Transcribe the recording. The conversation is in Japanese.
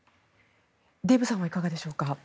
デーブさんはいかがでしょうか。